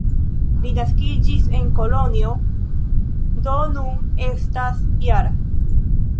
Li naskiĝis en Kolonjo, do nun estas -jara.